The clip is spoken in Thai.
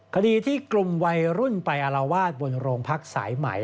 คดีที่กลุ่มวัยรุ่นไปอารวาสบนโรงพักสายไหม